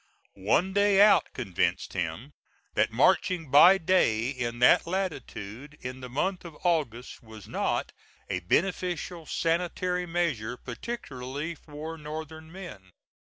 One day out convinced him that marching by day in that latitude, in the month of August, was not a beneficial sanitary measure, particularly for Northern men.